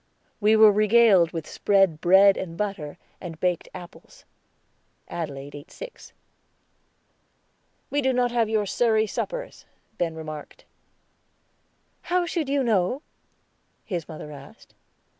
We were regaled with spread bread and butter and baked apples. Adelaide ate six. "We do not have your Surrey suppers," Ben remarked. "How should you know?" his mother asked.